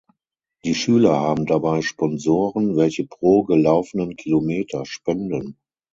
Die Schüler haben dabei Sponsoren, welche pro gelaufenen Kilometer spenden.